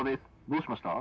どうしました？